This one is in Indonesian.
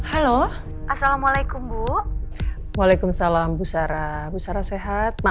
aku don di kanssa dengan kurimi